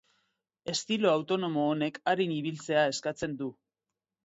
Estilo autonomo honek arin ibiltzea eskatzen du.